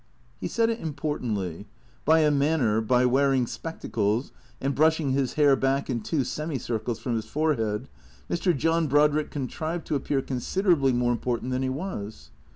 He said it importantly. By a manner, by wearing spectacles, and brushing his hair back in two semi circles from his fore head, Mr. John Brodrick contrived to appear considerably more important than he was.